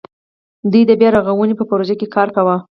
دوی د بیا رغاونې په پروژه کې کار کاوه.